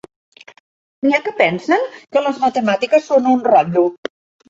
N'hi ha que pensen que les matemàtiques són un rotllo.